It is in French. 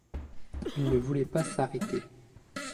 Il ne voulait pas s’arrêter.